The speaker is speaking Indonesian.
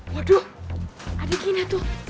waduh ada gini tuh